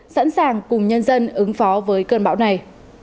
sẵn sàng cùng nhân dân ứng phó với cơn bão này